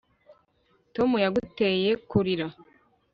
tom yaguteye kurira